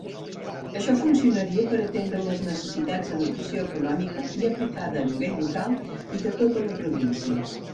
Això funcionaria per atendre les necessitats d'educació econòmica i aplicada a nivell local i de tota la província.